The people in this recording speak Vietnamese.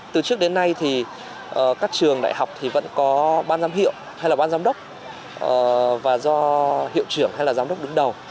từ trước đến nay thì các trường đại học thì vẫn có ban giám hiệu hay là ban giám đốc và do hiệu trưởng hay là giám đốc đứng đầu